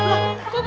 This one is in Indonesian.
ada apa tadi